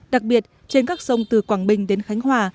đặc biệt trên các sông từ quảng bình đến khánh hòa